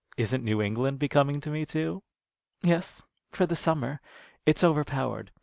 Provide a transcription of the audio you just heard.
"Isn't New England becoming to me, too?" "Yes, for the summer. It's over powered.